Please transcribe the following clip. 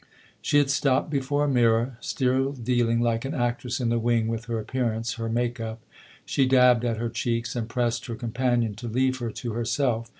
She had stopped before a mirror, still dealing, like an actress in the wing, with her appearance, her make up. She dabbed at her cheeks and pressed her companion to leave her to herself.